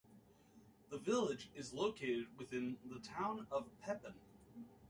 The village is located within the Town of Pepin.